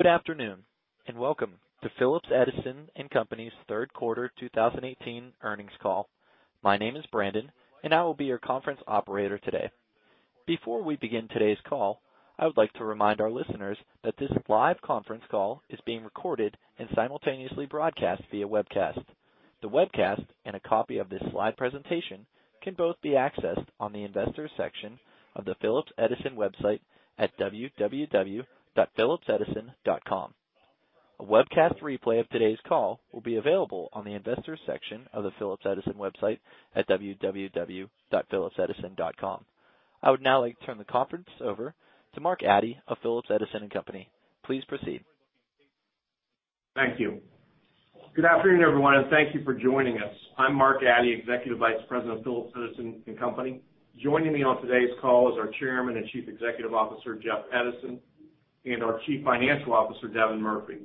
Good afternoon, and welcome to Phillips Edison & Company's third quarter 2018 earnings call. My name is Brandon, and I will be your conference operator today. Before we begin today's call, I would like to remind our listeners that this live conference call is being recorded and simultaneously broadcast via webcast. The webcast and a copy of this slide presentation can both be accessed on the investors section of the Phillips Edison website at www.phillipsedison.com. A webcast replay of today's call will be available on the investors section of the Phillips Edison website at www.phillipsedison.com. I would now like to turn the conference over to Mark Addy of Phillips Edison & Company. Please proceed. Thank you. Good afternoon, everyone, and thank you for joining us. I'm Mark Addy, Executive Vice President of Phillips Edison & Company. Joining me on today's call is our Chairman and Chief Executive Officer, Jeff Edison, and our Chief Financial Officer, Devin Murphy.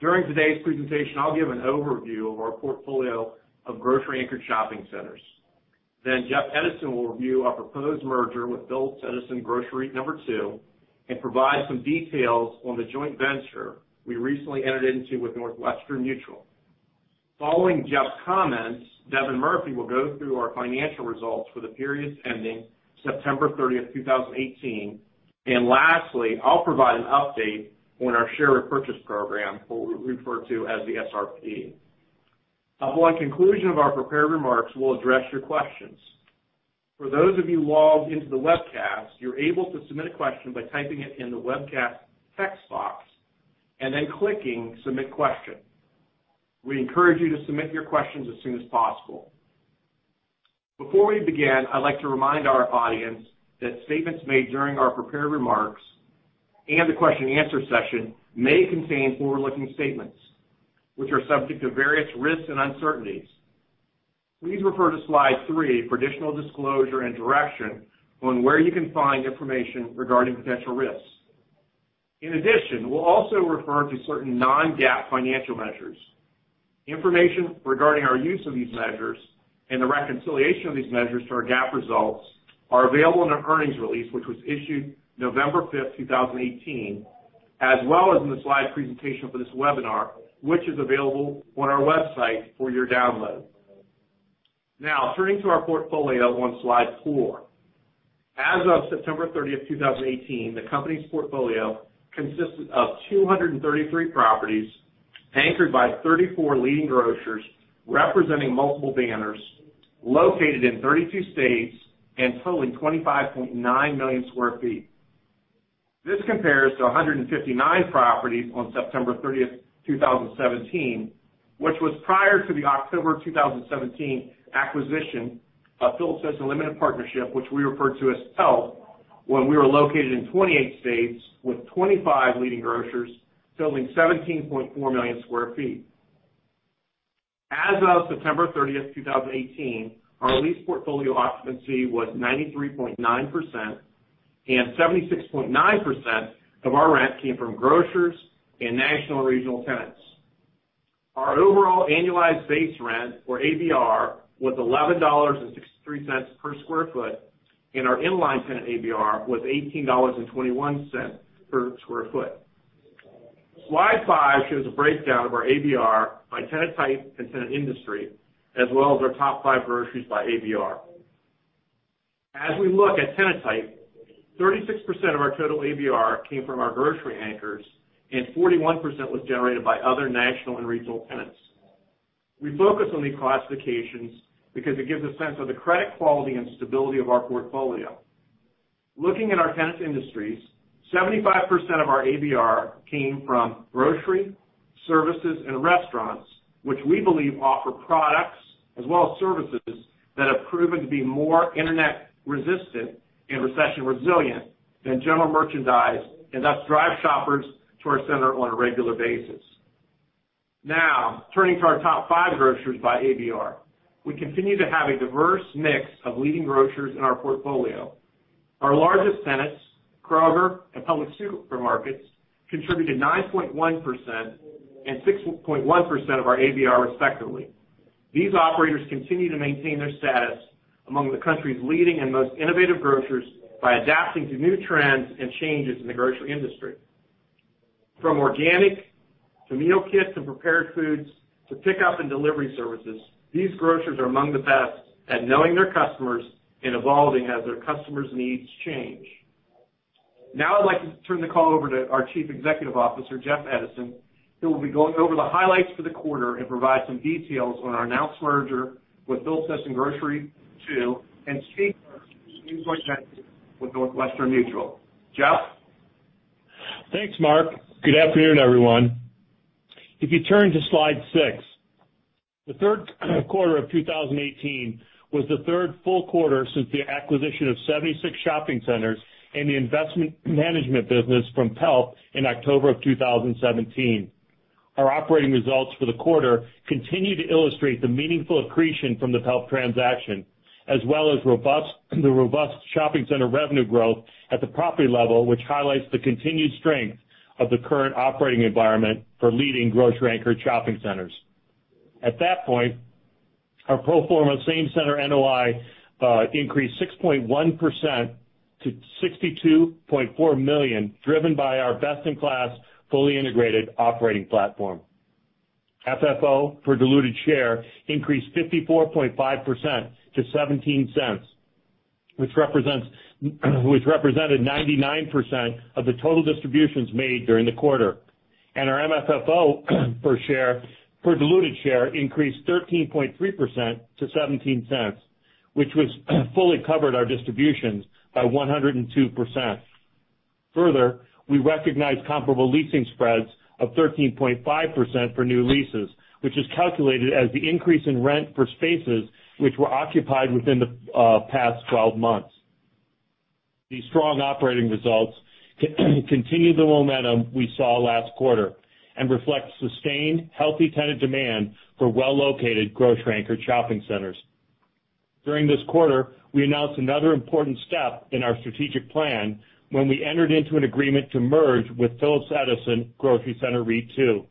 During today's presentation, I'll give an overview of our portfolio of grocery-anchored shopping centers. Jeff Edison will review our proposed merger with Phillips Edison Grocery Center REIT II and provide some details on the joint venture we recently entered into with Northwestern Mutual. Following Jeff's comments, Devin Murphy will go through our financial results for the period ending September 30, 2018. Lastly, I'll provide an update on our share repurchase program, what we refer to as the SRP. Upon conclusion of our prepared remarks, we'll address your questions. For those of you logged into the webcast, you're able to submit a question by typing it in the webcast text box and then clicking Submit Question. We encourage you to submit your questions as soon as possible. Before we begin, I'd like to remind our audience that statements made during our prepared remarks and the question and answer session may contain forward-looking statements, which are subject to various risks and uncertainties. Please refer to slide three for additional disclosure and direction on where you can find information regarding potential risks. In addition, we'll also refer to certain Non-GAAP financial measures. Information regarding our use of these measures and the reconciliation of these measures to our GAAP results are available in our earnings release, which was issued November 5th, 2018, as well as in the slide presentation for this webinar, which is available on our website for your download. Turning to our portfolio on slide four. As of September 30th, 2018, the company's portfolio consisted of 233 properties anchored by 34 leading grocers representing multiple banners located in 32 states and totaling 25.9 million sq ft. This compares to 159 properties on September 30th, 2017, which was prior to the October 2017 acquisition of Phillips Edison Limited Partnership, which we refer to as PELP, when we were located in 28 states with 25 leading grocers totaling 17.4 million sq ft. As of September 30th, 2018, our lease portfolio occupancy was 93.9%, and 76.9% of our rent came from grocers and national and regional tenants. Our overall annualized base rent, or ABR, was $11.63 per sq ft, and our in-line tenant ABR was $18.21 per sq ft. Slide five shows a breakdown of our ABR by tenant type and tenant industry, as well as our top five grocers by ABR. As we look at tenant type, 36% of our total ABR came from our grocery anchors, and 41% was generated by other national and regional tenants. We focus on these classifications because it gives a sense of the credit quality and stability of our portfolio. Looking at our tenant industries, 75% of our ABR came from grocery, services, and restaurants, which we believe offer products as well as services that have proven to be more internet resistant and recession resilient than general merchandise, and thus drive shoppers to our center on a regular basis. Turning to our top five grocers by ABR. We continue to have a diverse mix of leading grocers in our portfolio. Our largest tenants, Kroger and Publix Super Markets, contribute 9.1% and 6.1% of our ABR respectively. These operators continue to maintain their status among the country's leading and most innovative grocers by adapting to new trends and changes in the grocery industry. From organic to meal kits and prepared foods to pickup and delivery services, these grocers are among the best at knowing their customers and evolving as their customers' needs change. I'd like to turn the call over to our Chief Executive Officer, Jeff Edison, who will be going over the highlights for the quarter and provide some details on our announced merger with Phillips Edison Grocery Two and strategic new joint venture with Northwestern Mutual. Jeff? Thanks, Mark. Good afternoon, everyone. If you turn to slide six, the third quarter of 2018 was the third full quarter since the acquisition of 76 shopping centers and the investment management business from PELP in October of 2017. Our operating results for the quarter continue to illustrate the meaningful accretion from the PELP transaction, as well as the robust shopping center revenue growth at the property level, which highlights the continued strength of the current operating environment for leading grocery anchor shopping centers. Our pro forma same center NOI increased 6.1% to $62.4 million, driven by our best-in-class, fully integrated operating platform. FFO for diluted share increased 54.5% to $0.17, which represented 99% of the total distributions made during the quarter. Our MFFO for diluted share increased 13.3% to $0.17, which fully covered our distributions by 102%. Further, we recognized comparable leasing spreads of 13.5% for new leases, which is calculated as the increase in rent for spaces which were occupied within the past 12 months. These strong operating results continue the momentum we saw last quarter and reflect sustained healthy tenant demand for well-located grocery-anchored shopping centers. During this quarter, we announced another important step in our strategic plan when we entered into an agreement to merge with Phillips Edison Grocery Center REIT II.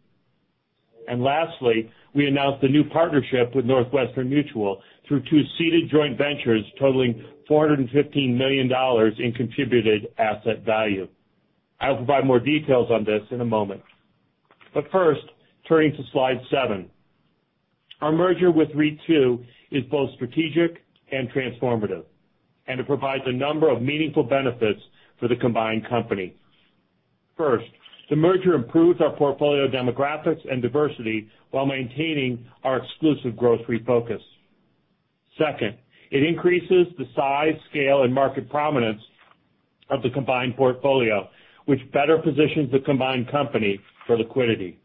Lastly, we announced a new partnership with Northwestern Mutual through two seated joint ventures totaling $415 million in contributed asset value. I'll provide more details on this in a moment. First, turning to slide seven. Our merger with REIT II is both strategic and transformative, it provides a number of meaningful benefits for the combined company. First, the merger improves our portfolio demographics and diversity while maintaining our exclusive grocery focus. Second, it increases the size, scale, and market prominence of the combined portfolio, which better positions the combined company for liquidity.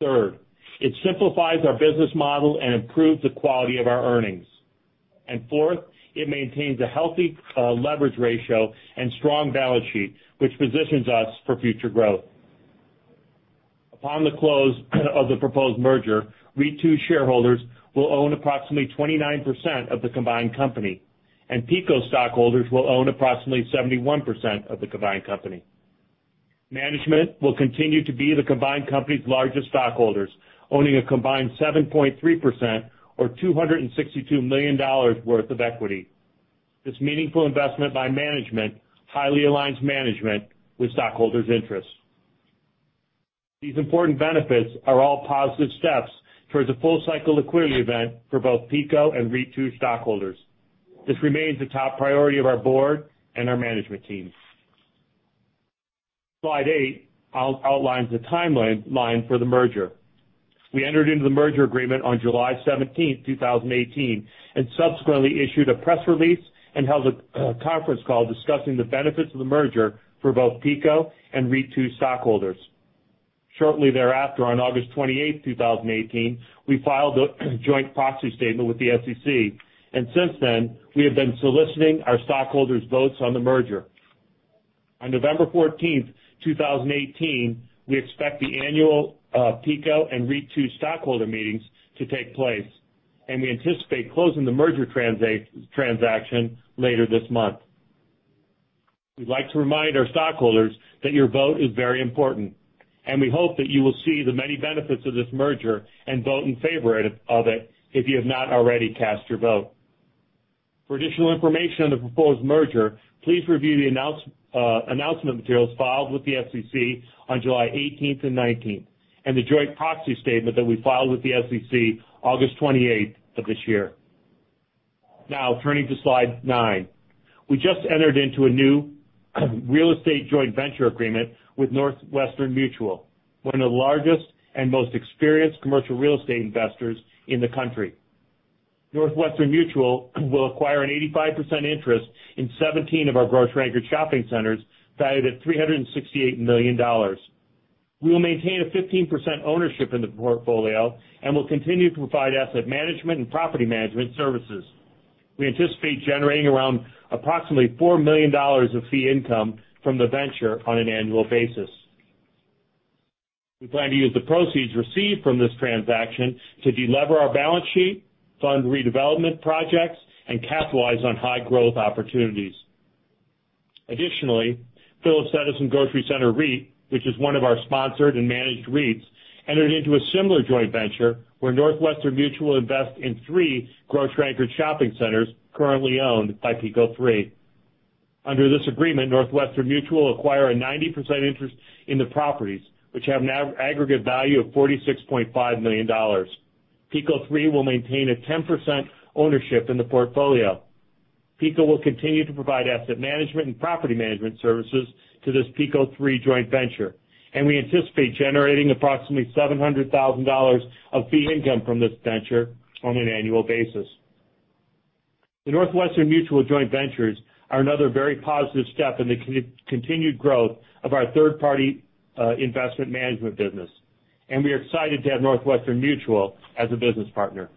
Third, it simplifies our business model and improves the quality of our earnings. Fourth, it maintains a healthy leverage ratio and strong balance sheet, which positions us for future growth. Upon the close of the proposed merger, REIT II shareholders will own approximately 29% of the combined company, PECO stockholders will own approximately 71% of the combined company. Management will continue to be the combined company's largest stockholders, owning a combined 7.3% or $262 million worth of equity. This meaningful investment by management highly aligns management with stockholders' interests. These important benefits are all positive steps towards a full-cycle liquidity event for both PECO and REIT II stockholders. This remains the top priority of our board and our management team. Slide eight outlines the timeline for the merger. We entered into the merger agreement on July 17th, 2018, subsequently issued a press release and held a conference call discussing the benefits of the merger for both PECO and REIT II stockholders. Shortly thereafter, on August 28th, 2018, we filed a joint proxy statement with the SEC, since then, we have been soliciting our stockholders' votes on the merger. On November 14th, 2018, we expect the annual PECO and REIT II stockholder meetings to take place, we anticipate closing the merger transaction later this month. We'd like to remind our stockholders that your vote is very important, we hope that you will see the many benefits of this merger and vote in favor of it if you have not already cast your vote. For additional information on the proposed merger, please review the announcement materials filed with the SEC on July 18th and July 19th and the joint proxy statement that we filed with the SEC August 28th of this year. Turning to slide nine. We just entered into a new real estate joint venture agreement with Northwestern Mutual, one of the largest and most experienced commercial real estate investors in the country. Northwestern Mutual will acquire an 85% interest in 17 of our grocery-anchored shopping centers valued at $368 million. We will maintain a 15% ownership in the portfolio and will continue to provide asset management and property management services. We anticipate generating around approximately $4 million of fee income from the venture on an annual basis. We plan to use the proceeds received from this transaction to de-lever our balance sheet, fund redevelopment projects, and capitalize on high-growth opportunities. Additionally, Phillips Edison Grocery Center REIT, which is one of our sponsored and managed REITs, entered into a similar joint venture where Northwestern Mutual invests in three grocery-anchored shopping centers currently owned by PECO Three. Under this agreement, Northwestern Mutual acquire a 90% interest in the properties, which have an aggregate value of $46.5 million. PECO Three will maintain a 10% ownership in the portfolio. PECO will continue to provide asset management and property management services to this PECO Three joint venture, and we anticipate generating approximately $700,000 of fee income from this venture on an annual basis. The Northwestern Mutual joint ventures are another very positive step in the continued growth of our third-party investment management business, and we are excited to have Northwestern Mutual as a business partner.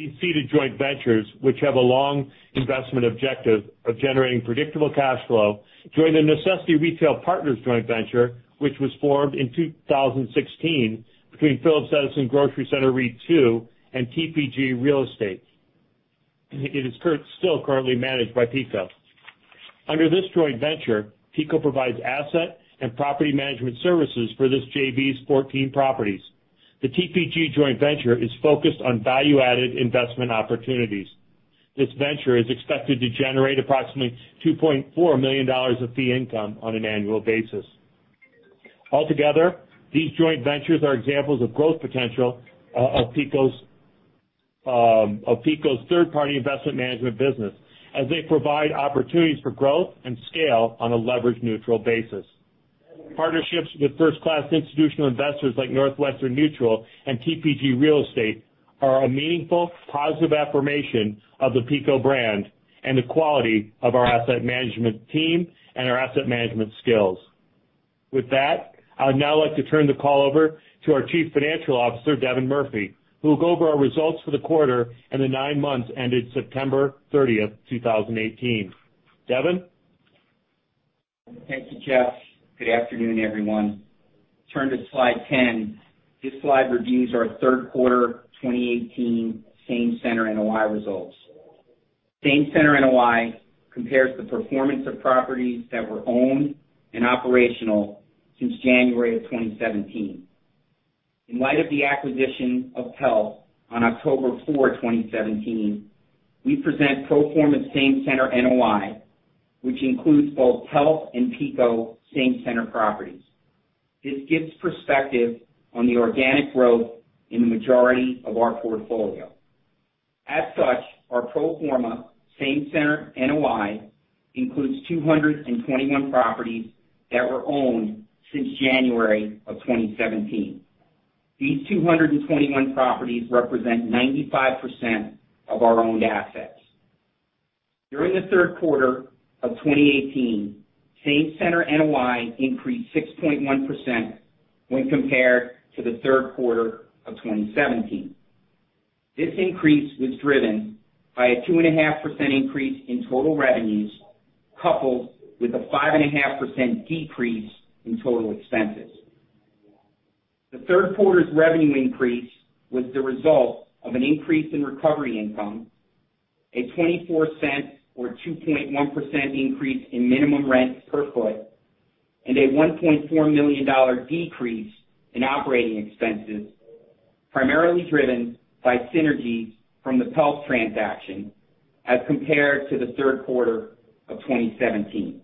These seated joint ventures, which have a long investment objective of generating predictable cash flow, join the Necessity Retail Partners joint venture, which was formed in 2016 between Phillips Edison Grocery Center REIT II and TPG Real Estate. It is still currently managed by PECO. Under this joint venture, PECO provides asset and property management services for this JV's 14 properties. The TPG joint venture is focused on value-added investment opportunities. This venture is expected to generate approximately $2.4 million of fee income on an annual basis. Altogether, these joint ventures are examples of growth potential of PECO's third-party investment management business, as they provide opportunities for growth and scale on a leverage-neutral basis. Partnerships with first-class institutional investors like Northwestern Mutual and TPG Real Estate are a meaningful, positive affirmation of the PECO brand and the quality of our asset management team and our asset management skills. With that, I would now like to turn the call over to our Chief Financial Officer, Devin Murphy, who will go over our results for the quarter and the nine months ended September 30th, 2018. Devin? Thank you, Jeff. Good afternoon, everyone. Turn to slide 10. This slide reviews our third quarter 2018 same-center NOI results. Same-center NOI compares the performance of properties that were owned and operational since January of 2017. In light of the acquisition of PELP on October 4, 2017, we present pro forma same-center NOI, which includes both PELP and PECO same-center properties. This gives perspective on the organic growth in the majority of our portfolio. As such, our pro forma same-center NOI includes 221 properties that were owned since January of 2017. These 221 properties represent 95% of our owned assets. During the third quarter of 2018, same-center NOI increased 6.1% when compared to the third quarter of 2017. This increase was driven by a 2.5% increase in total revenues, coupled with a 5.5% decrease in total expenses. The third quarter's revenue increase was the result of an increase in recovery income, a $0.24 or 2.1% increase in minimum rent per foot, and a $1.4 million decrease in operating expenses, primarily driven by synergies from the PELP transaction as compared to the third quarter of 2017.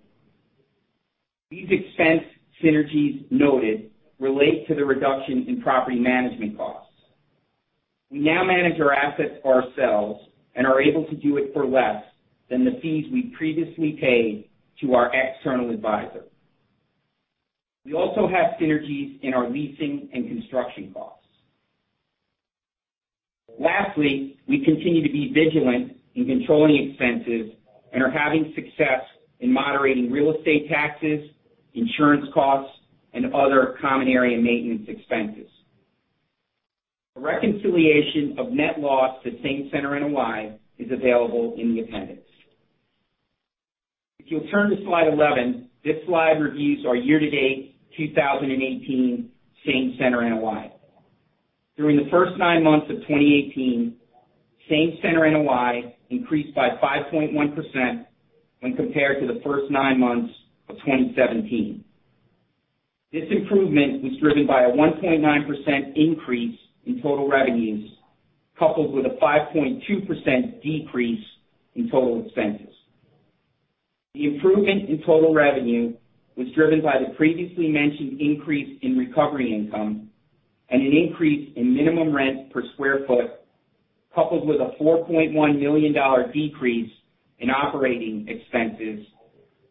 These expense synergies noted relate to the reduction in property management costs. We now manage our assets ourselves and are able to do it for less than the fees we previously paid to our external advisor. We also have synergies in our leasing and construction costs. Lastly, we continue to be vigilant in controlling expenses and are having success in moderating real estate taxes, insurance costs, and other common area maintenance expenses. A reconciliation of net loss to same-center NOI is available in the appendix. If you'll turn to slide 11, this slide reviews our year-to-date 2018 same-center NOI. During the first nine months of 2018, same-center NOI increased by 5.1% when compared to the first nine months of 2017. This improvement was driven by a 1.9% increase in total revenues, coupled with a 5.2% decrease in total expenses. The improvement in total revenue was driven by the previously mentioned increase in recovery income and an increase in minimum rent per square foot, coupled with a $4.1 million decrease in operating expenses,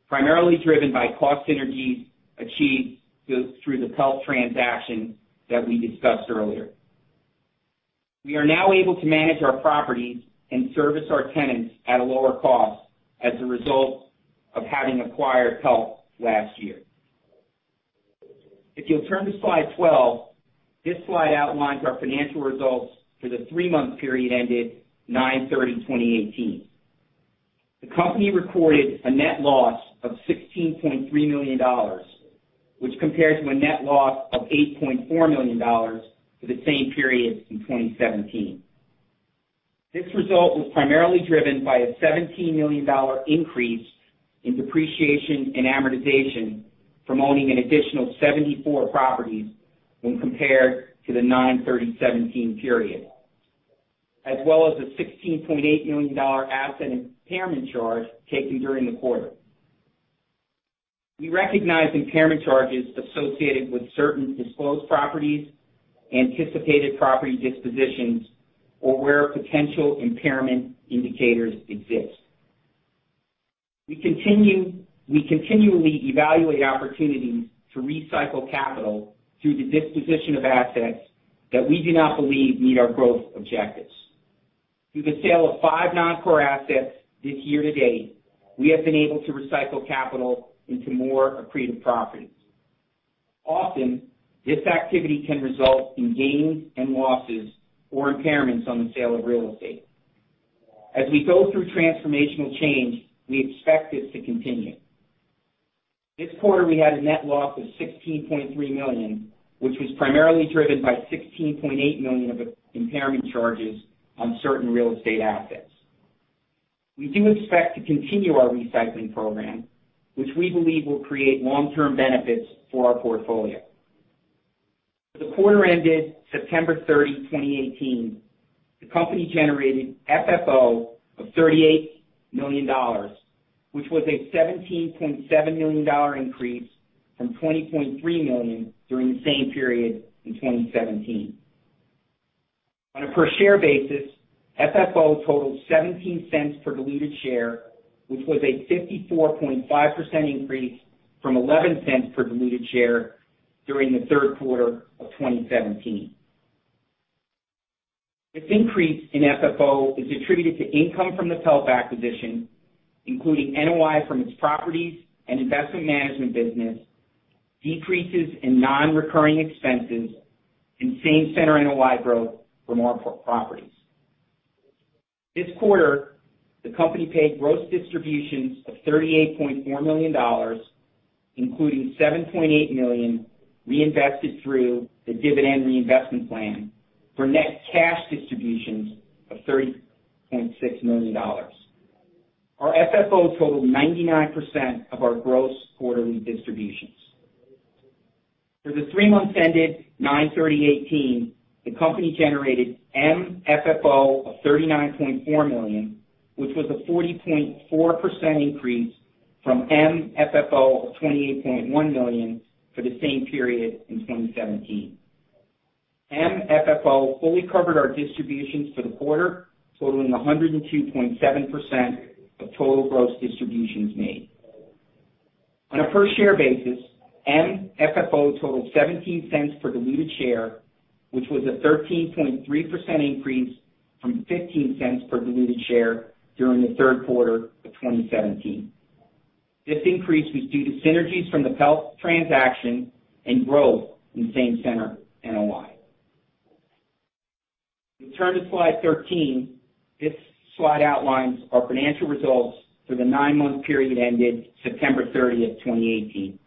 primarily driven by cost synergies achieved through the PELP transaction that we discussed earlier. We are now able to manage our properties and service our tenants at a lower cost as a result of having acquired PELP last year. If you'll turn to slide 12, this slide outlines our financial results for the three-month period ended September 30th, 2018. The company recorded a net loss of $16.3 million, which compares to a net loss of $8.4 million for the same period in 2017. This result was primarily driven by a $17 million increase in depreciation and amortization from owning an additional 74 properties when compared to the September 30th, 2018 period, as well as a $16.8 million asset impairment charge taken during the quarter. We recognize impairment charges associated with certain disposed properties, anticipated property dispositions, or where potential impairment indicators exist. We continually evaluate opportunities to recycle capital through the disposition of assets that we do not believe meet our growth objectives. Through the sale of five non-core assets this year to date, we have been able to recycle capital into more accretive properties. Often, this activity can result in gains and losses or impairments on the sale of real estate. As we go through transformational change, we expect this to continue. This quarter, we had a net loss of $16.3 million, which was primarily driven by $16.8 million of impairment charges on certain real estate assets. We do expect to continue our recycling program, which we believe will create long-term benefits for our portfolio. For the quarter ended September 30, 2018, the company generated FFO of $38 million, which was a $17.7 million increase from $20.3 million during the same period in 2017. On a per share basis, FFO totaled $0.17 per diluted share, which was a 54.5% increase from $0.11 per diluted share during the third quarter of 2017. This increase in FFO is attributed to income from the PELP acquisition, including NOI from its properties and investment management business, decreases in non-recurring expenses, and same-center NOI growth from our properties. This quarter, the company paid gross distributions of $38.4 million, including $7.8 million reinvested through the dividend reinvestment plan, for net cash distributions of $30.6 million. Our FFO totaled 99% of our gross quarterly distributions. For the three months ended September 30th, 2018, the company generated MFFO of $39.4 million, which was a 40.4% increase from MFFO of $28.1 million for the same period in 2017. MFFO fully covered our distributions for the quarter, totaling 102.7% of total gross distributions made. On a per share basis, MFFO totaled $0.17 per diluted share, which was a 13.3% increase from $0.15 per diluted share during the third quarter of 2017. This increase was due to synergies from the PELP transaction and growth in same-center NOI. If you turn to slide 13, this slide outlines our financial results for the nine-month period ended September 30th, 2018.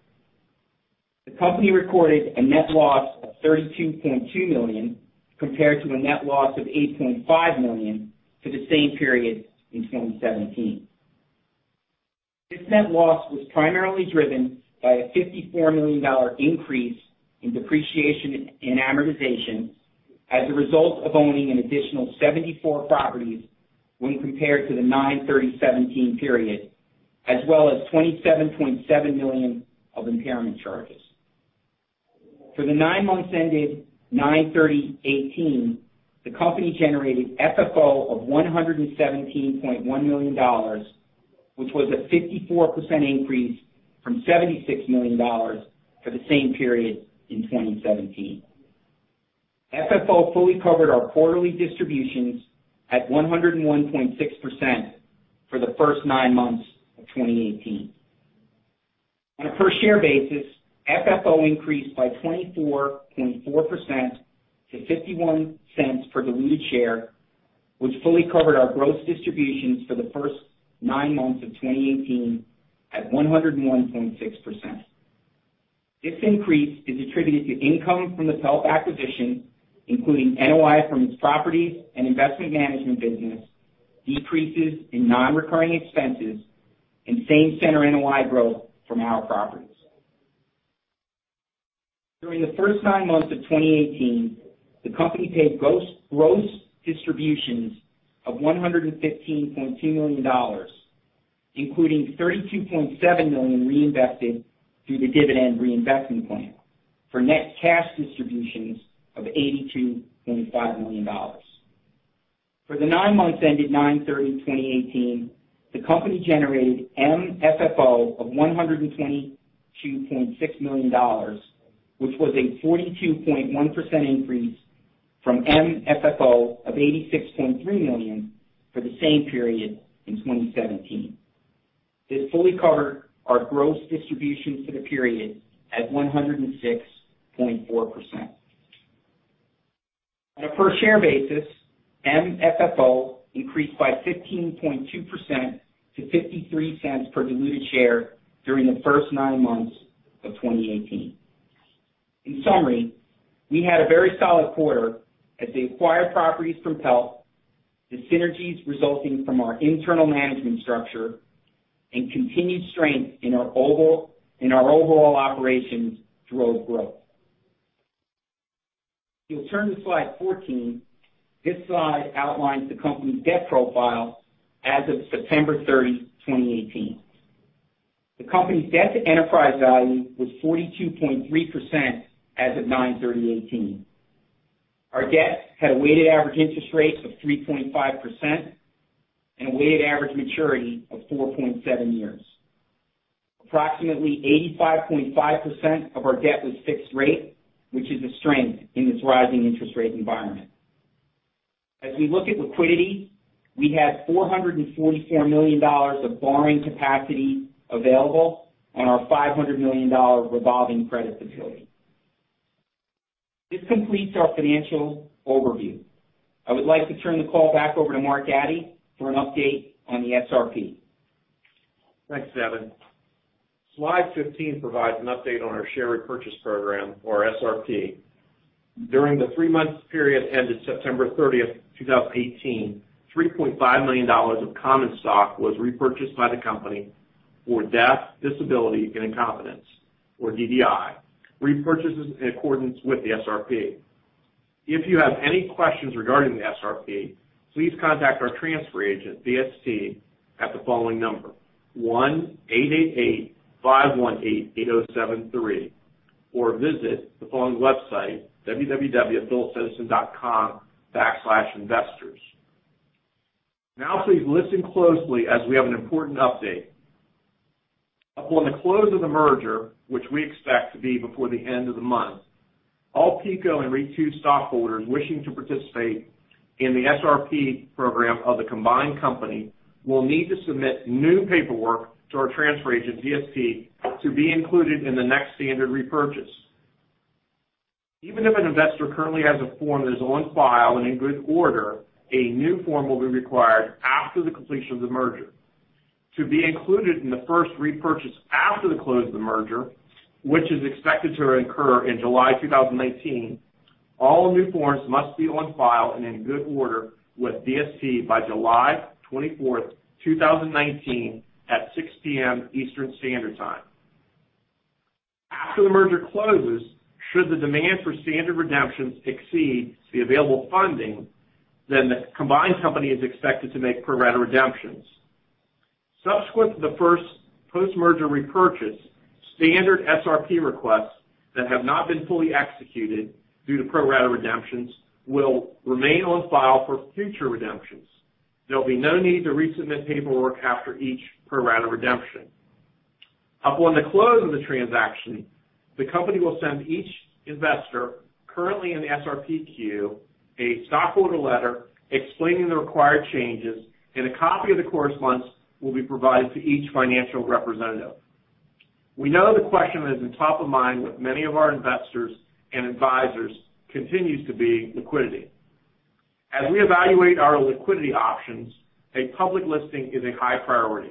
The company recorded a net loss of $32.2 million compared to a net loss of $8.5 million for the same period in 2017. This net loss was primarily driven by a $54 million increase in depreciation and amortization as a result of owning an additional 74 properties when compared to the September 30th, 2017 period, as well as $27.7 million of impairment charges. For the nine months ended September 30th, 2018, the company generated FFO of $117.1 million, which was a 54% increase from $76 million for the same period in 2017. FFO fully covered our quarterly distributions at 101.6% for the first nine months of 2018. On a per share basis, FFO increased by 24.4% to $0.51 per diluted share, which fully covered our gross distributions for the first nine months of 2018 at 101.6%. This increase is attributed to income from the PELP acquisition, including NOI from its properties and investment management business, decreases in non-recurring expenses, and same center NOI growth from our properties. During the first nine months of 2018, the company paid gross distributions of $115.2 million, including $32.7 million reinvested through the dividend reinvestment plan, for net cash distributions of $82.5 million. For the nine months ended September 30th, 2018, the company generated MFFO of $122.6 million, which was a 42.1% increase from MFFO of $86.3 million for the same period in 2017. This fully covered our gross distributions for the period at 106.4%. On a per share basis, MFFO increased by 15.2% to $0.53 per diluted share during the first nine months of 2018. In summary, we had a very solid quarter as the acquired properties from PELP, the synergies resulting from our internal management structure, and continued strength in our overall operations drove growth. If you will turn to slide 14, this slide outlines the company's debt profile as of September 30, 2018. The company's debt-to-enterprise value was 42.3% as of September 30th, 2018. Our debt had a weighted average interest rate of 3.5% and a weighted average maturity of 4.7 years. Approximately 85.5% of our debt was fixed rate, which is a strength in this rising interest rate environment. As we look at liquidity, we have $444 million of borrowing capacity available on our $500 million revolving credit facility. This completes our financial overview. I would like to turn the call back over to Mark Addy for an update on the SRP. Thanks, Devin. Slide 15 provides an update on our Share Repurchase Program, or SRP. During the three-month period ended September 30, 2018, $3.5 million of common stock was repurchased by the company for death, disability, and incompetence, or DDI. Repurchases in accordance with the SRP. If you have any questions regarding the SRP, please contact our transfer agent, DST, at the following number, 1-888-518-8073, or visit the following website, www.phillipsedison.com/investors. Now, please listen closely as we have an important update. Upon the close of the merger, which we expect to be before the end of the month, all PECO and REIT II stockholders wishing to participate in the SRP program of the combined company will need to submit new paperwork to our transfer agent, DST, to be included in the next standard repurchase. Even if an investor currently has a form that is on file and in good order, a new form will be required after the completion of the merger. To be included in the first repurchase after the close of the merger, which is expected to occur in July 2019, all new forms must be on file and in good order with DST by July 24th, 2019, at 6:00 P.M. Eastern Standard Time. After the merger closes, should the demand for standard redemptions exceed the available funding, then the combined company is expected to make pro-rata redemptions. Subsequent to the first post-merger repurchase, standard SRP requests that have not been fully executed due to pro-rata redemptions will remain on file for future redemptions. There'll be no need to resubmit paperwork after each pro-rata redemption. Upon the close of the transaction, the company will send each investor currently in the SRP queue a stockholder letter explaining the required changes, and a copy of the correspondence will be provided to each financial representative. We know the question that is in top of mind with many of our investors and advisors continues to be liquidity. As we evaluate our liquidity options, a public listing is a high priority.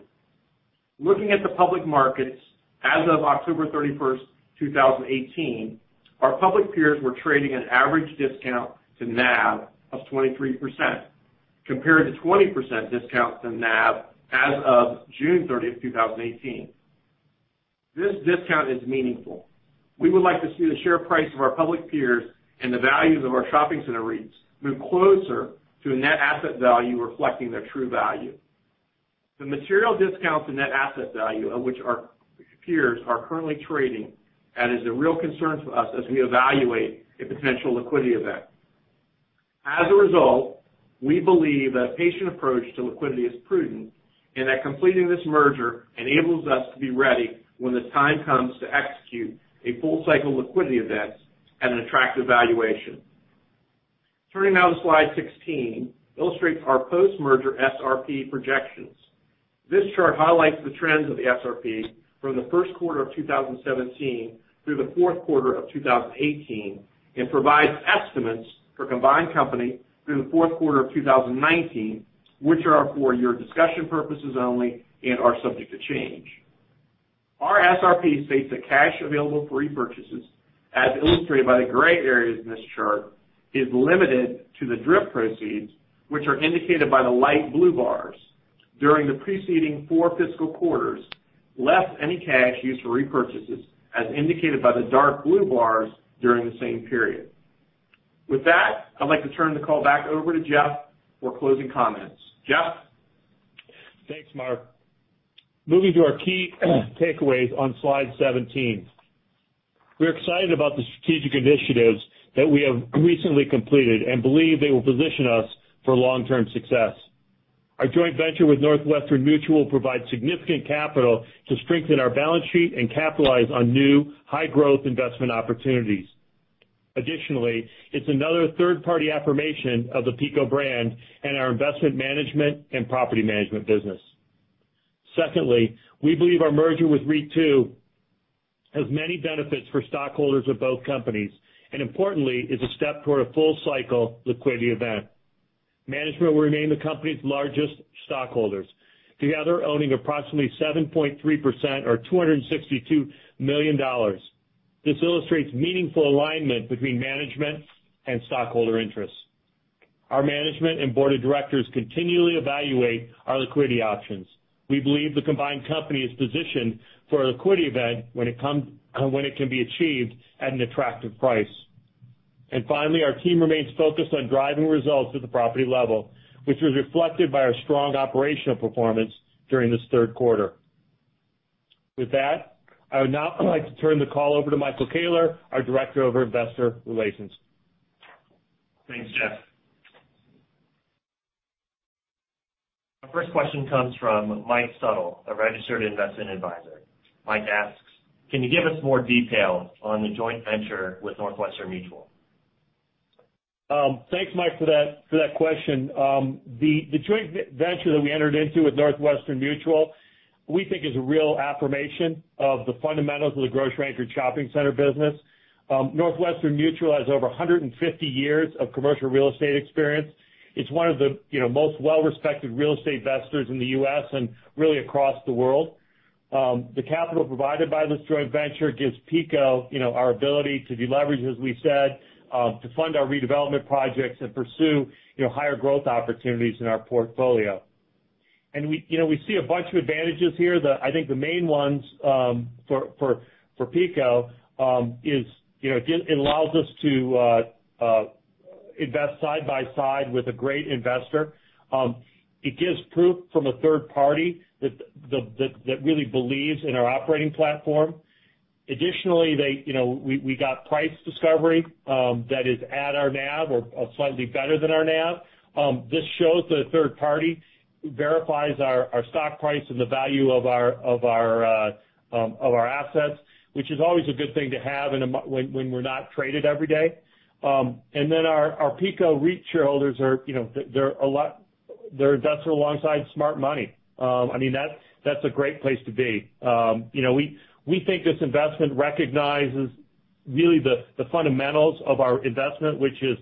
Looking at the public markets as of October 31st, 2018, our public peers were trading at average discount to NAV of 23%, compared to 20% discount to NAV as of June 30th, 2018. This discount is meaningful. We would like to see the share price of our public peers and the values of our shopping center REITs move closer to a net asset value reflecting their true value. The material discounts in net asset value at which our peers are currently trading at is a real concern for us as we evaluate a potential liquidity event. As a result, we believe a patient approach to liquidity is prudent and that completing this merger enables us to be ready when the time comes to execute a full-cycle liquidity event at an attractive valuation. Turning now to slide 16, illustrates our post-merger SRP projections. This chart highlights the trends of the SRP from the first quarter of 2017 through the fourth quarter of 2018 and provides estimates for combined company through the fourth quarter of 2019, which are for your discussion purposes only and are subject to change. Our SRP states that cash available for repurchases, as illustrated by the gray areas in this chart, is limited to the DRIP proceeds, which are indicated by the light blue bars during the preceding four fiscal quarters, less any cash used for repurchases, as indicated by the dark blue bars during the same period. With that, I'd like to turn the call back over to Jeff for closing comments. Jeff? Thanks, Mark. Moving to our key takeaways on slide 17. We are excited about the strategic initiatives that we have recently completed and believe they will position us for long-term success. Our joint venture with Northwestern Mutual provides significant capital to strengthen our balance sheet and capitalize on new high-growth investment opportunities. Additionally, it is another third-party affirmation of the PECO brand and our investment management and property management business. Secondly, we believe our merger with REIT II has many benefits for stockholders of both companies, and importantly, is a step toward a full-cycle liquidity event. Management will remain the company's largest stockholders, together owning approximately 7.3%, or $262 million. This illustrates meaningful alignment between management and stockholder interests. Our management and board of directors continually evaluate our liquidity options. We believe the combined company is positioned for a liquidity event when it can be achieved at an attractive price. Finally, our team remains focused on driving results at the property level, which was reflected by our strong operational performance during this third quarter. With that, I would now like to turn the call over to Michael Koehler, our Director of Investor Relations. Thanks, Jeff. Our first question comes from Michael Suttle, a registered investment advisor. Mike asks, "Can you give us more detail on the joint venture with Northwestern Mutual? Thanks, Michael, for that question. The joint venture that we entered into with Northwestern Mutual, we think is a real affirmation of the fundamentals of the grocery-anchored shopping center business. Northwestern Mutual has over 150 years of commercial real estate experience. It is one of the most well-respected real estate investors in the U.S. and really across the world. The capital provided by this joint venture gives PECO our ability to deleverage, as we said, to fund our redevelopment projects, and pursue higher growth opportunities in our portfolio. We see a bunch of advantages here. I think the main ones for PECO is it allows us to invest side by side with a great investor. It gives proof from a third party that really believes in our operating platform. Additionally, we got price discovery that is at our NAV or slightly better than our NAV. This shows the third party verifies our stock price and the value of our assets, which is always a good thing to have when we're not traded every day. Our PECO REIT shareholders, they're invested alongside smart money. That's a great place to be. We think this investment recognizes really the fundamentals of our investment, which is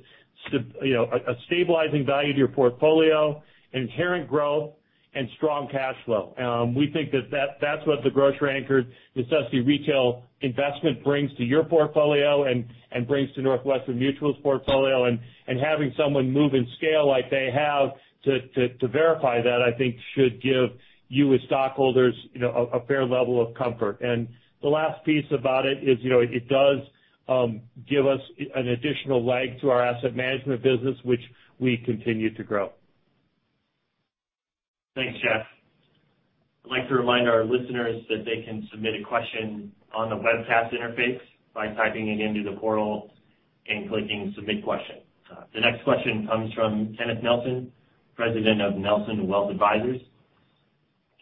a stabilizing value to your portfolio, inherent growth, and strong cash flow. We think that that's what the grocery-anchored necessity retail investment brings to your portfolio and brings to Northwestern Mutual's portfolio. Having someone move in scale like they have to verify that, I think should give you, as stockholders, a fair level of comfort. The last piece about it is, it does give us an additional leg to our asset management business, which we continue to grow. Thanks, Jeff. I'd like to remind our listeners that they can submit a question on the webcast interface by typing it into the portal and clicking submit question. The next question comes from Kenneth Nelson, President of Nelson Wealth Advisors.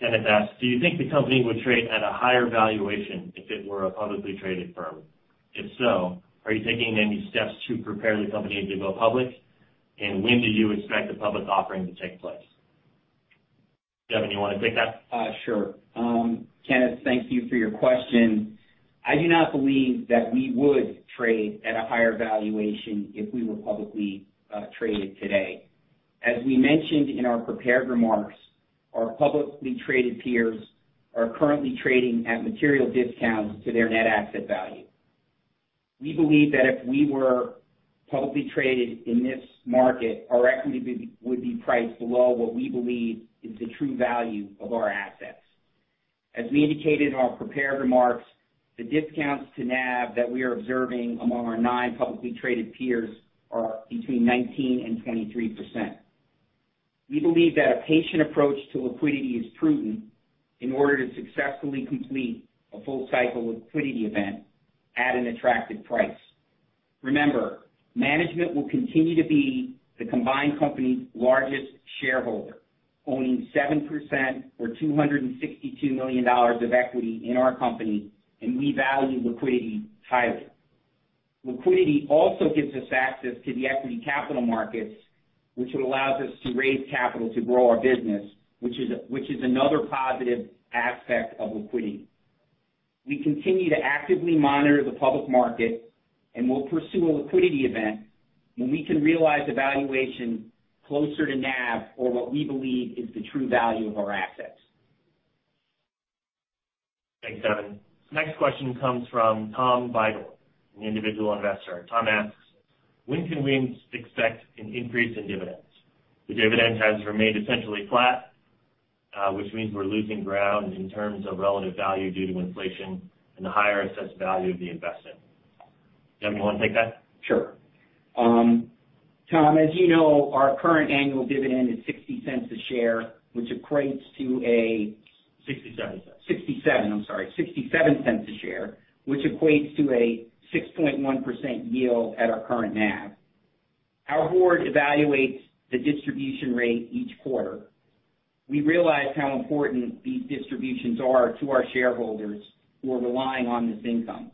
Kenneth asks, "Do you think the company would trade at a higher valuation if it were a publicly traded firm? If so, are you taking any steps to prepare the company to go public? When do you expect the public offering to take place?" Devin, you want to take that? Sure. Kenneth, thank you for your question. I do not believe that we would trade at a higher valuation if we were publicly traded today. As we mentioned in our prepared remarks, our publicly traded peers are currently trading at material discounts to their net asset value. We believe that if we were publicly traded in this market, our equity would be priced below what we believe is the true value of our assets. As we indicated in our prepared remarks, the discounts to NAV that we are observing among our nine publicly traded peers are between 19%-23%. We believe that a patient approach to liquidity is prudent in order to successfully complete a full-cycle liquidity event at an attractive price. Remember, management will continue to be the combined company's largest shareholder, owning 7% or $262 million of equity in our company, we value liquidity highly. Liquidity also gives us access to the equity capital markets, which would allow us to raise capital to grow our business, which is another positive aspect of liquidity. We continue to actively monitor the public market and will pursue a liquidity event when we can realize a valuation closer to NAV or what we believe is the true value of our assets. Thanks, Devin. Next question comes from Tom Biegel, an individual investor. Tom asks, "When can we expect an increase in dividends? The dividend has remained essentially flat, which means we're losing ground in terms of relative value due to inflation and the higher assessed value of the investment." Devin, you want to take that? Sure. Tom, as you know, our current annual dividend is $0.60 a share, which equates to a $0.67. $0.67. I'm sorry. $0.67 a share, which equates to a 6.1% yield at our current NAV. Our board evaluates the distribution rate each quarter. We realize how important these distributions are to our shareholders who are relying on this income.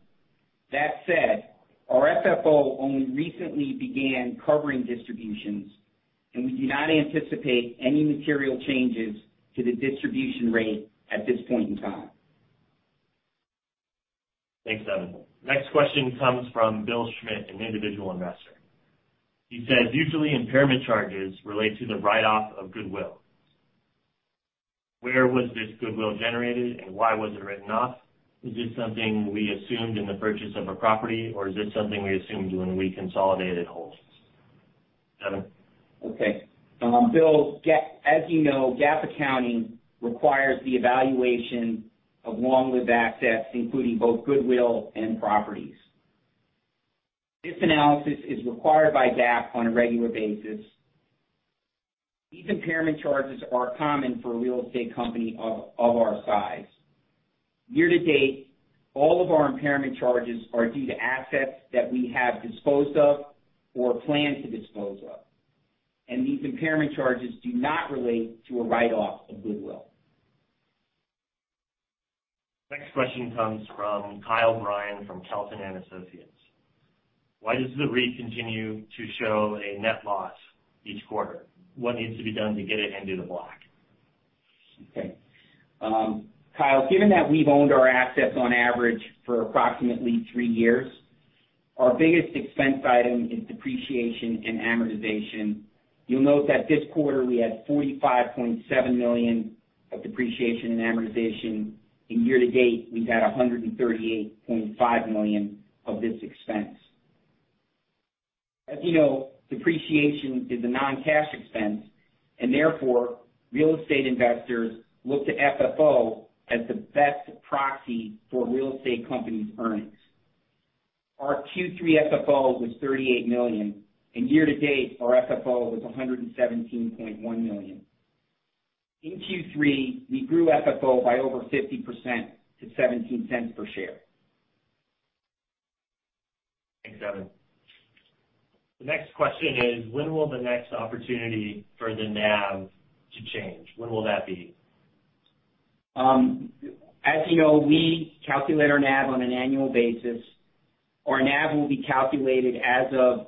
That said, our FFO only recently began covering distributions, and we do not anticipate any material changes to the distribution rate at this point in time. Thanks, Devin. Next question comes from Bill Schmidt, an individual investor. He says, "Usually, impairment charges relate to the write-off of goodwill. Where was this goodwill generated and why was it written off? Is this something we assumed in the purchase of a property, or is this something we assumed when we consolidated wholly-owned subsidiaries?" Devin. Okay. Bill, as you know, GAAP accounting requires the evaluation of long-lived assets, including both goodwill and properties. This analysis is required by GAAP on a regular basis. These impairment charges are common for a real estate company of our size. Year to date, all of our impairment charges are due to assets that we have disposed of or plan to dispose of, and these impairment charges do not relate to a write-off of goodwill. Question comes from Kyle Brian from Kalton and Associates. Why does the REIT continue to show a net loss each quarter? What needs to be done to get it into the black? Okay. Kyle, given that we've owned our assets on average for approximately three years, our biggest expense item is depreciation and amortization. You'll note that this quarter we had $45.7 million of depreciation and amortization. Year-to-date, we've had $138.5 million of this expense. As you know, depreciation is a non-cash expense, therefore, real estate investors look to FFO as the best proxy for real estate companies' earnings. Our Q3 FFO was $38 million. Year-to-date, our FFO was $117.1 million. Q3, we grew FFO by over 50% to $0.17 per share. Thanks, Devin. The next question is: When will the next opportunity for the NAV to change? When will that be? As you know, we calculate our NAV on an annual basis. Our NAV will be calculated as of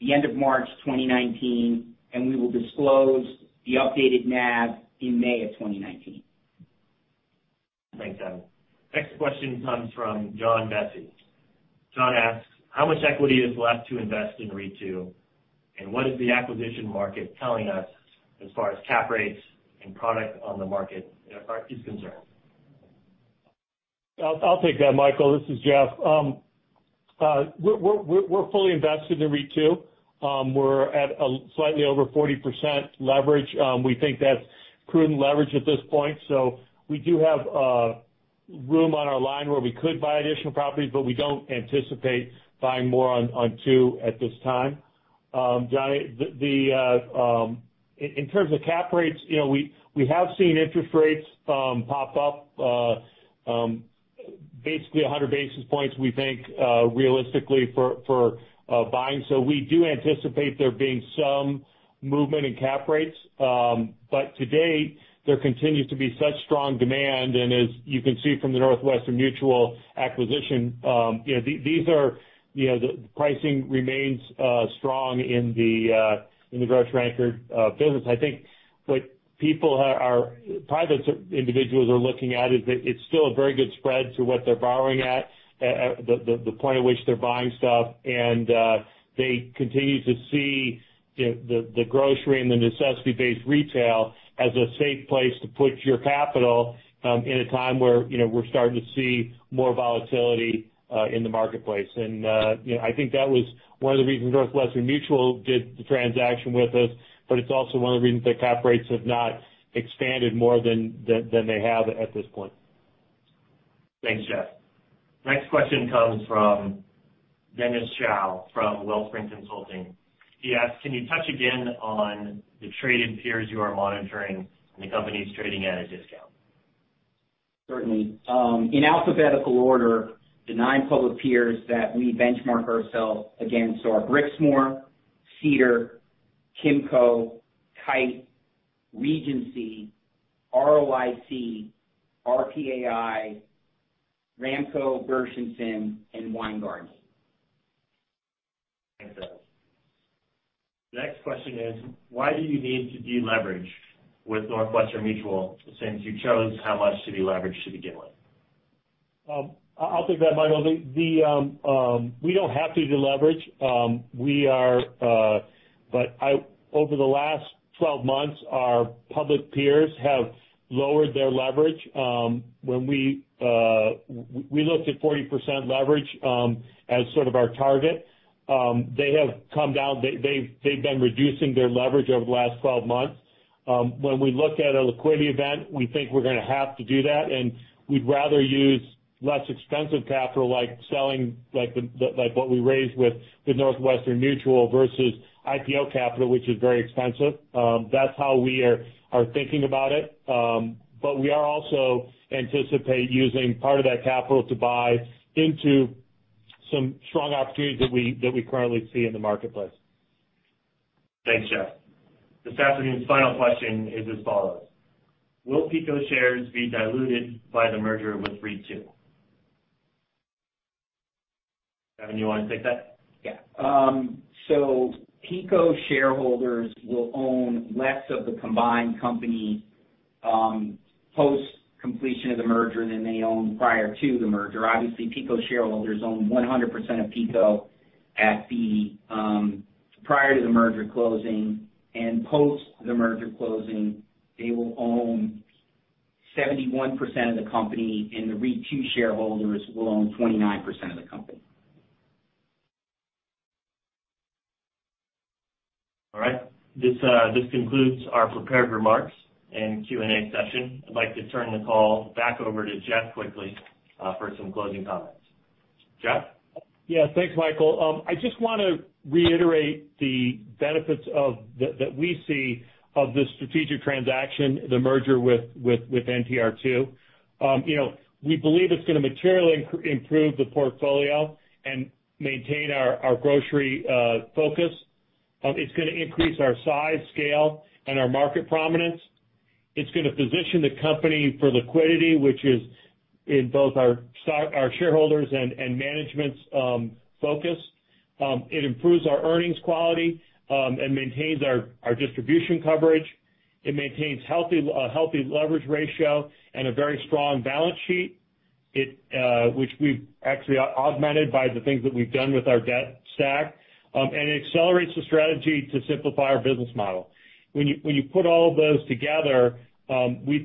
the end of March 2019, and we will disclose the updated NAV in May of 2019. Thanks, Devin. Next question comes from John Messi. John asks, how much equity is left to invest in REIT II, and what is the acquisition market telling us as far as cap rates and product on the market as far as he's concerned? I'll take that, Michael. This is Jeff. We're fully invested in REIT II. We're at slightly over 40% leverage. We think that's prudent leverage at this point. We do have room on our line where we could buy additional properties, but we don't anticipate buying more on REIT II at this time. John, in terms of cap rates, we have seen interest rates pop up basically 100 basis points, we think, realistically for buying. We do anticipate there being some movement in cap rates. To date, there continues to be such strong demand, and as you can see from the Northwestern Mutual acquisition, the pricing remains strong in the grocery-anchored business. I think what private individuals are looking at is that it's still a very good spread to what they're borrowing at, the point at which they're buying stuff, and they continue to see the grocery and the necessity-based retail as a safe place to put your capital in a time where we're starting to see more volatility in the marketplace. I think that was one of the reasons Northwestern Mutual did the transaction with us, but it's also one of the reasons that cap rates have not expanded more than they have at this point. Thanks, Jeff. Next question comes from Dennis Hsiao from Wellspring Consulting. He asks: Can you touch again on the traded peers you are monitoring and the company's trading at a discount? Certainly. In alphabetical order, the nine public peers that we benchmark ourselves against are Brixmor, Cedar, Kimco, Kite, Regency, ROIC, RPAI, Ramco-Gershenson, and Weingarten. Thanks, Devin. The next question is: Why do you need to deleverage with Northwestern Mutual, since you chose how much to deleverage to begin with? I'll take that, Michael. We don't have to deleverage. Over the last 12 months, our public peers have lowered their leverage. We looked at 40% leverage as sort of our target. They have come down. They've been reducing their leverage over the last 12 months. When we look at a liquidity event, we think we're going to have to do that, and we'd rather use less expensive capital like selling what we raised with Northwestern Mutual versus IPO Capital, which is very expensive. That's how we are thinking about it. We are also anticipate using part of that capital to buy into some strong opportunities that we currently see in the marketplace. Thanks, Jeff. This afternoon's final question is as follows: Will PECO shares be diluted by the merger with REIT II? Devin, you want to take that? Yeah. PECO shareholders will own less of the combined company post-completion of the merger than they own prior to the merger. Obviously, PECO shareholders own 100% of PECO prior to the merger closing, and post the merger closing, they will own 71% of the company, and the REIT II shareholders will own 29% of the company. All right. This concludes our prepared remarks and Q&A session. I'd like to turn the call back over to Jeff quickly for some closing comments. Jeff? Thanks, Michael. I just want to reiterate the benefits that we see of this strategic transaction, the merger with REIT II. We believe it's going to materially improve the portfolio and maintain our grocery focus. It's going to increase our size, scale, and our market prominence. It's going to position the company for liquidity, which is in both our shareholders and management's focus. It improves our earnings quality and maintains our distribution coverage. It maintains a healthy leverage ratio and a very strong balance sheet, which we've actually augmented by the things that we've done with our debt stack. It accelerates the strategy to simplify our business model. When you put all of those together, in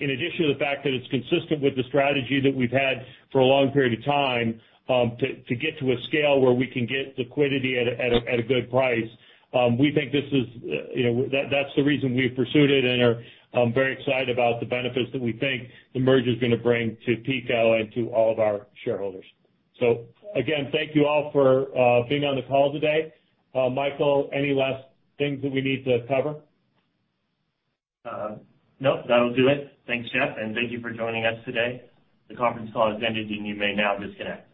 addition to the fact that it's consistent with the strategy that we've had for a long period of time to get to a scale where we can get liquidity at a good price, that's the reason we've pursued it and are very excited about the benefits that we think the merger is going to bring to PECO and to all of our shareholders. Again, thank you all for being on the call today. Michael, any last things that we need to cover? No, that'll do it. Thanks, Jeff, and thank you for joining us today. The conference call has ended, and you may now disconnect.